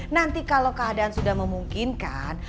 nanti kalau keadaan sudah memungkinkan